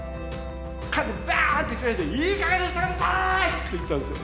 バーンといきなり倒して「いいかげんにして下さい！」って言ったんですよ。